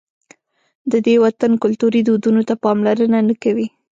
د دې وطن کلتوري دودونو ته پاملرنه نه کوي.